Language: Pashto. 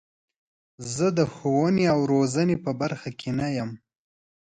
زه د ښوونې او روزنې په برخه کې نه یم.